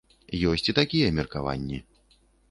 Ёсць і такія меркаванні.